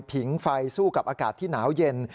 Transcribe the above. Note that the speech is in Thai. ผิงไฟสู้กับอากาศที่หนาวเย็น